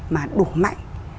mà đủ mạnh